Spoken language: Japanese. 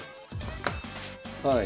はい。